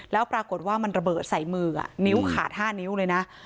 แล้วปรากฏว่ามันระเบิดใส่มือนิ้วขาด๕นิ้วเลยนะ